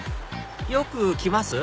よく来ます？